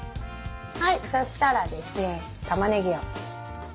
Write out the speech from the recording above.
はいそしたらですねたまねぎを。